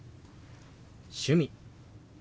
「趣味」。